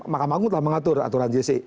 makam agung telah mengatur aturan gc